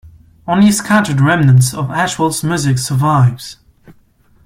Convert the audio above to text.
Only scattered remnants of Ashwell's music survives.